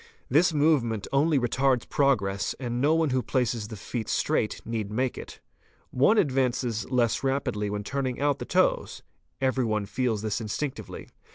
This movement only retards progress, and no one who places the feet straight need make it. One advances less rapidly when turning out the toes; every one feels this instinctively.